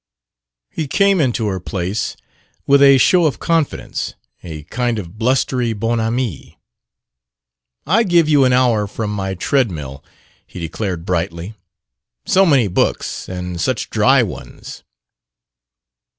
He came into her place with a show of confidence, a kind of blustery bonhomie. "I give you an hour from my treadmill," he declared brightly. "So many books, and such dry ones!"